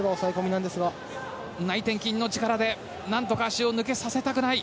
内転筋の力でなんとか足を抜けさせたくない。